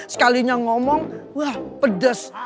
sekalinya ngomong wah pedes